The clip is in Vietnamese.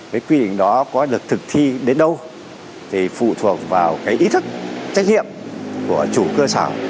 cái quy định đó có được thực thi đến đâu thì phụ thuộc vào cái ý thức trách nhiệm của chủ cơ sở